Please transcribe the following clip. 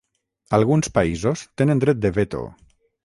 Alguns països tenen dret de veto.